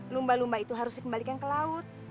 lumba lumba itu harus dikembalikan ke laut